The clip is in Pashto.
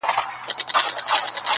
ځان دي هسي کړ ستومان په منډه منډه،